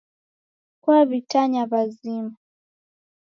Kuw'itanya w'azima.